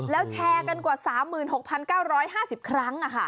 แล้วแชร์กันกว่า๓๖๙๕๐ครั้ง